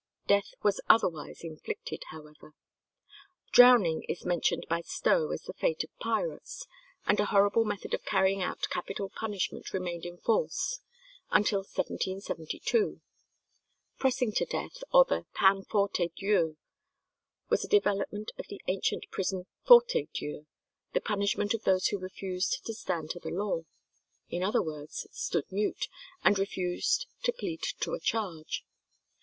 Death was otherwise inflicted, however. Drowning is mentioned by Stowe as the fate of pirates, and a horrible method of carrying out capital punishment remained in force until 1772. Pressing to death, or the peine forte et dure, was a development of the ancient prison forte et dure, the punishment of those who refused "to stand to the law;" in other words, stood mute, and refused to plead to a charge.